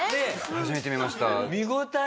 初めて見ました。